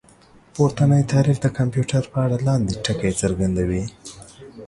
پورتنی تعريف د کمپيوټر په اړه لاندې ټکي څرګندوي